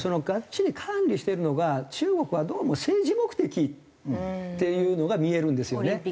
ガッチリ管理してるのが中国はどうも政治目的っていうのが見えるんですよね。